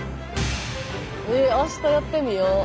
へえ明日やってみよう！